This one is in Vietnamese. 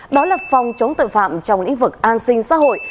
đó là phòng chống tội phạm trong lĩnh vực an sinh xã hội